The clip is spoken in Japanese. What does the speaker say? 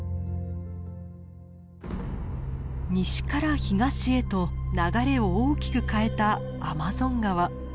西から東へと流れを大きく変えたアマゾン川。